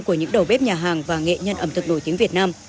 của những đầu bếp nhà hàng và nghệ nhân ẩm thực nổi tiếng việt nam